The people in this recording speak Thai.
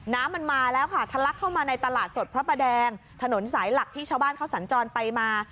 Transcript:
น้ำมันมาแล้วค่ะทะลักเข้ามาในตลาดสดพระประแดงถนนสายหลักที่ชาวบ้านเขาสัญจรไปมา